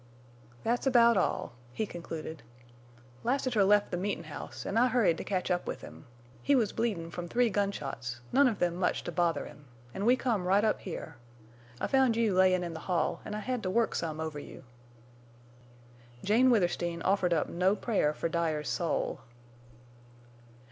"Thet's about all," he concluded. "Lassiter left the meetin' house an' I hurried to catch up with him. He was bleedin' from three gunshots, none of them much to bother him. An' we come right up here. I found you layin' in the hall, an' I hed to work some over you." Jane Withersteen offered up no prayer for Dyer's soul.